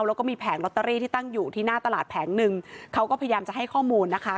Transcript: แล้วก็มีแผงลอตเตอรี่ที่ตั้งอยู่ที่หน้าตลาดแผงหนึ่งเขาก็พยายามจะให้ข้อมูลนะคะ